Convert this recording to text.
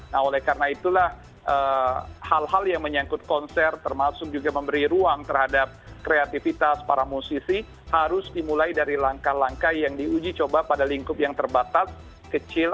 nah oleh karena itulah hal hal yang menyangkut konser termasuk juga memberi ruang terhadap kreativitas para musisi harus dimulai dari langkah langkah yang diuji coba pada lingkup yang terbatas kecil